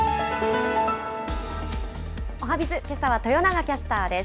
おはＢｉｚ、けさは豊永キャスターです。